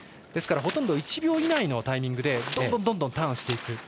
ですから、ほとんど１秒以内のタイミングでどんどんターンしていく。